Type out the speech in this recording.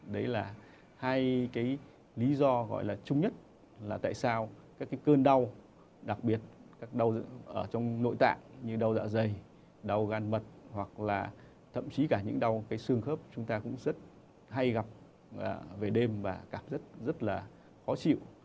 đấy là hai cái lý do gọi là chung nhất là tại sao các cái cơn đau đặc biệt các ở trong nội tạng như đau dạ dày đau gàn mật hoặc là thậm chí cả những đau cái xương khớp chúng ta cũng rất hay gặp về đêm và cảm rất rất là khó chịu